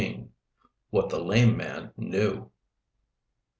WHAT THE LAME MAN KNEW.